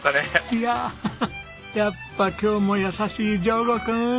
いややっぱ今日も優しい城後君！